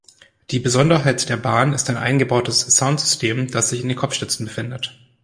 Die Besonderheit der Bahn ist ein eingebautes Soundsystem, das sich in den Kopfstützen befindet.